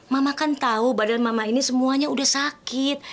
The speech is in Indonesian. mama kan tahu badan mama ini semuanya udah sakit